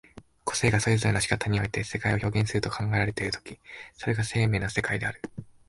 個物がそれぞれの仕方において世界を表現すると考えられる時、それが生命の世界である。